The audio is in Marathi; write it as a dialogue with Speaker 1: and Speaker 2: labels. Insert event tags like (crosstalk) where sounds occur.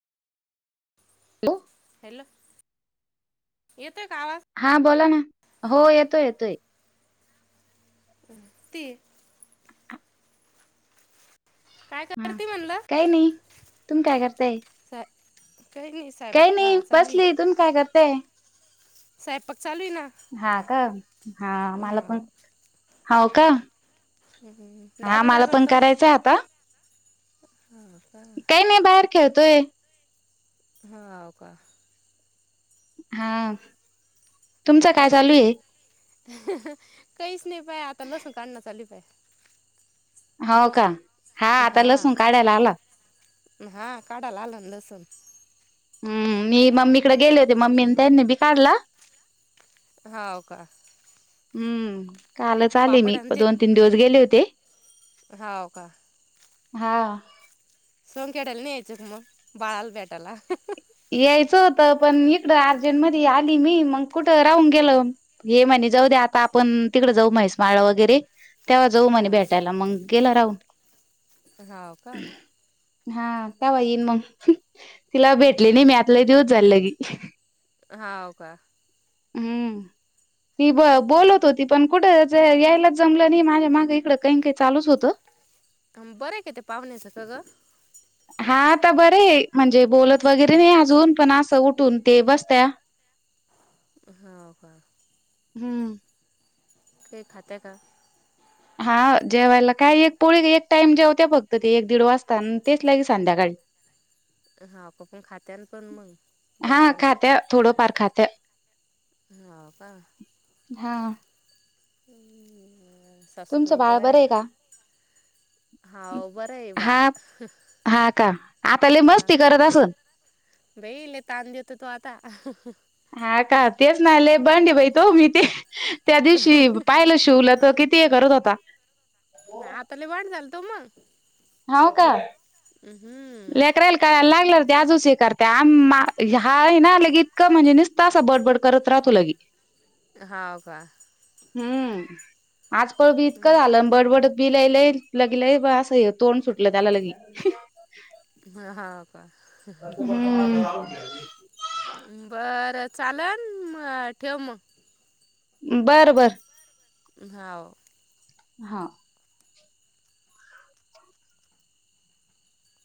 Speaker 1: हॅलो.
Speaker 2: हॅलो येतोय का आवाज?
Speaker 1: हा बोला ना हो येतोय येतोय.
Speaker 2: (unintelligible) ती काय
Speaker 1: हां
Speaker 2: करते म्हणलं
Speaker 1: काय नाही तुम्ही काय करताय?
Speaker 2: स. (unintelligible)
Speaker 1: काय नाही बसली तुम्ही काय करताय?
Speaker 2: स्वयंपाक चालू आहे ना.
Speaker 1: हा का हा मला
Speaker 2: हा
Speaker 1: पण हाव का?
Speaker 2: हम्म हम्म हम्म
Speaker 1: हा
Speaker 2: दादू
Speaker 1: मला
Speaker 2: काय
Speaker 1: पण
Speaker 2: करतो
Speaker 1: करायचंय
Speaker 2: हा. का
Speaker 1: काय नाही बाहेर खेळतोय.
Speaker 2: हाव का.
Speaker 1: हा. तुमचं
Speaker 2: काय
Speaker 1: चालू
Speaker 2: चाले
Speaker 1: आहे
Speaker 2: काहीच नाही पया आता लसण काढणं चाली पया.
Speaker 1: हाव का हा आता लसूण काढायला आला.
Speaker 2: म हा काढायला आला ना लसूण
Speaker 1: हम्म मी मम्मीकडे गेले होते मम्मी अन त्यांनी बी काढला.
Speaker 2: हाव का.
Speaker 1: हम्म कालच आले
Speaker 2: पापड
Speaker 1: मी
Speaker 2: आणि
Speaker 1: प
Speaker 2: ते
Speaker 1: दोन-तीन दिवस गेले होते.
Speaker 2: हाव का.
Speaker 1: हा.
Speaker 2: संखोट्याल नाही यायचं का मग बाळाला भेटयला.
Speaker 1: यायचं होतं पण इकडं अर्जेंट मध्ये आली मी मंग कुठ राहून गेलं. हे म्हणे जाऊ द्या आता आपण तिकडं जाऊ म्हैस माळ वगैरे तेव्हा जाऊ म्हणे
Speaker 2: हा
Speaker 1: भेटायला मंग गेला राहून.
Speaker 2: हाव का.
Speaker 1: हा कव्हा येईन मग तिला भेटली
Speaker 2: हा
Speaker 1: नाही मी आत लय दिवस झाल लगे.
Speaker 2: हाव का.
Speaker 1: हम्म ती ब बोलत हो ती पण कुठंज यायला जमलं नाही माझ्या मागे इकडं काही ना काही चालूच होतं.
Speaker 2: हम्म बरं आहे काय ते पाहुण्याचं का गं?
Speaker 1: हा आता बरे आहे म्हणजे बोलत वगैरे नाही अजून पण असं उठून ते बसत्या.
Speaker 2: हाव का?
Speaker 1: हम्म.
Speaker 2: काही खात्या का?
Speaker 1: हा, जेवायला काय? एक पोळी, एक टाइम जेवत्या फक्त ते, एक दीड वाजता न तेच लगे संध्याकाळी.
Speaker 2: हा का, पण खात्या न पण मग,
Speaker 1: हा
Speaker 2: जेवत्याना.
Speaker 1: खात्या थोडंफार खातं.
Speaker 2: हाव का.
Speaker 1: हा
Speaker 2: बर.
Speaker 1: तुमचं
Speaker 2: सासुबाई न त्या
Speaker 1: बाळ बरं
Speaker 2: बऱ्याय
Speaker 1: आहे
Speaker 2: का? हाव, बरंय बाळ.
Speaker 1: हा हा का आता लय
Speaker 2: हा.
Speaker 1: मस्ती करत असन.
Speaker 2: बाई, लई ताण देतो तो आता. (unintelligible)
Speaker 1: हा, का. तेच ना. लय बंड बाई तो. मी ते, त्या दिवशी पाहिलं शिवूला. तो कित ती करत होता.
Speaker 2: नाही, आता लय भांड झाला तो मग.
Speaker 1: हाव का?
Speaker 2: अम, हम्म.
Speaker 1: यला लागल ते आजच हे करत्या. आम हा आहे ना, लगे क म्हणजे निस्ता असा, बडबड करत राहतो लगे.
Speaker 2: हाव, का.
Speaker 1: हम्म. आचपळ बी
Speaker 2: हम्म.
Speaker 1: इतकं झालं बडबडत बि लईलई, लगलगे. असं तोंड सुटलं त्याला लगी.
Speaker 2: ह, हाव का?
Speaker 1: हम्म.
Speaker 2: बरं, चालन. म ठेव मग.
Speaker 1: बरं, बर.
Speaker 2: हाव.
Speaker 1: हाव.